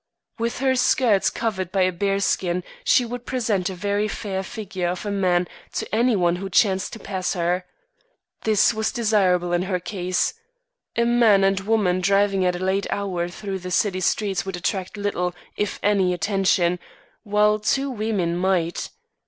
With her skirts covered by a bear skin she would present a very fair figure of a man to any one who chanced to pass her. This was desirable in her case. A man and woman driving at a late hour through the city streets would attract little, if any, attention, while two women might.